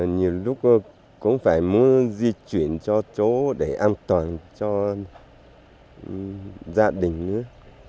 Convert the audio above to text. nhiều lúc cũng phải muốn di chuyển cho chỗ để an toàn cho gia đình nữa